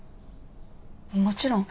もちろん。